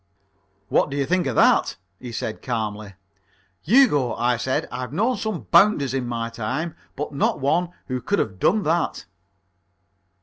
"What do you think of that?" he said calmly. "Hugo," I said, "I've known some bounders in my time, but not one who could have done that."